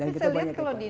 dan kita banyak